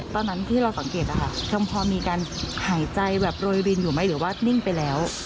ตอนนั้นที่เราสังเกตนะคะยังพอมีการหายใจแบบโรยรินอยู่ไหมหรือว่านิ่งไปแล้ว